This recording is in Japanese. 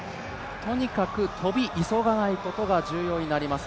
とにかく跳び急がないことが重要になります。